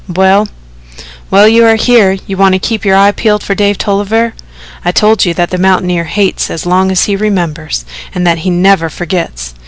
"Well, while you are here, you want to keep your eye peeled for Dave Tolliver. I told you that the mountaineer hates as long as he remembers, and that he never forgets.